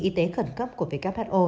y tế khẩn cấp của who